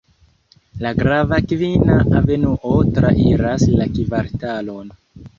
La grava Kvina Avenuo trairas la kvartalon.